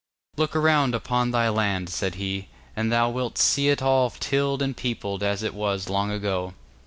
'Look around upon thy land,' said he, 'and thou wilt see it all tilled and peopled, as it was long ago.